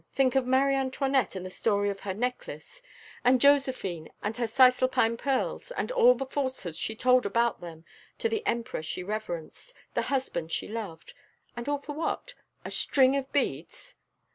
Think of Marie Antoinette and the story of her necklace; and Josephine and her Cisalpine pearls, and all the falsehoods she told about them to the emperor she reverenced, the husband she loved and all for what? a string of beads!